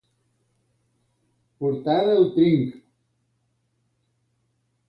Portar el trinc.